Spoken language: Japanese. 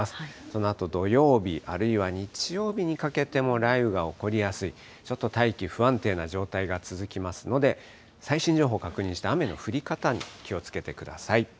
そのあと土曜日、あるいは日曜日にかけても、雷雨が起こりやすい、ちょっと大気不安定な状態が続きますので、最新情報確認して、雨の降り方に気をつけてください。